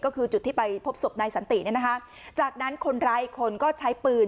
ก็คือจุดที่ไปพบศพนายสันติเนี่ยนะคะจากนั้นคนร้ายอีกคนก็ใช้ปืน